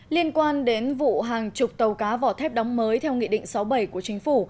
liên quan đến vụ hàng chục tàu cá vỏ thép đóng mới theo nghị định sáu bảy của chính phủ